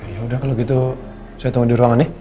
yaudah kalo gitu saya tunggu di ruangan ya